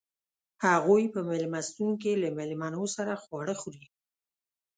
هغوئ په میلمستون کې له میلمنو سره خواړه خوري.